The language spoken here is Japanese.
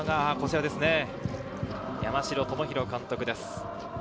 山城朋大監督です。